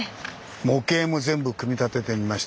模型も全部組み立ててみました。